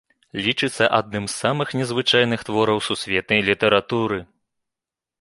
Лічыцца адным з самых незвычайных твораў сусветнай літаратуры.